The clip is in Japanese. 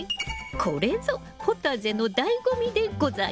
これぞポタジェのだいご味でございます。